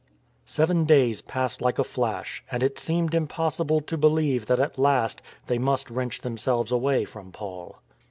Seven days passed like a flash, and it seemed impossible to believe that at last they must wrench themselves away from Paul.